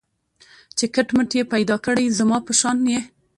چي کټ مټ یې پیدا کړی زما په شان یې